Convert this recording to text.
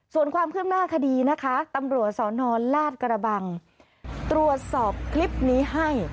ส่วนความคืบหน้าคดีนะคะตำรวจสนลาดกระบังตรวจสอบคลิปนี้ให้